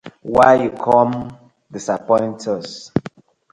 Wai you come us disappoint?